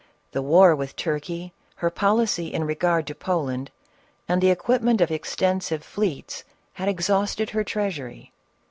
The war with Turkey, her policy in regard to Poland, and the equipment of extensive fleets, had exhausted her treasury.